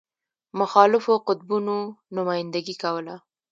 مخالفو قطبونو نمایندګي کوله.